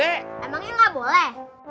emangnya gak boleh